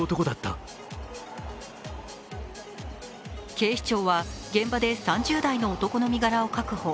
警視庁は現場で３０代の男の身柄を確保。